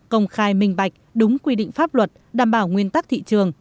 công khai minh bạch đúng quy định pháp luật đảm bảo nguyên tắc thị trường